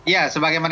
ya sebagai mana